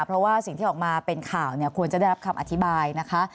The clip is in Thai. เพราะว่าสิ่งที่ออกมาเป็นข่าวเนี่ยควรจะได้รับคำอธิบายนะคะ